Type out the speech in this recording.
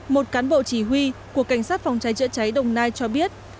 một cán bộ chỉ huy của cảnh sát phòng cháy chữa cháy đồng nai cho biết